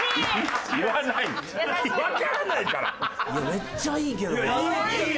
めっちゃいいけどな！